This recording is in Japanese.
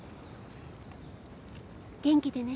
元気でね。